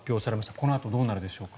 このあとどうなるでしょうか。